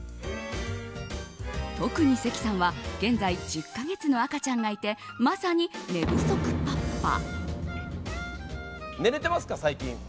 特に関さんは現在１０か月の赤ちゃんがいてまさに寝不足パパ。